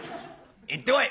行ってこい」。